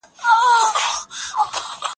زما ياغي نفس خو ، په حباب کي نه ځايږي